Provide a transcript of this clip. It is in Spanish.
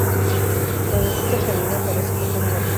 Cuando Duster camina, parece coger una pierna.